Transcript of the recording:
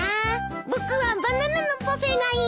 僕はバナナのパフェがいいです。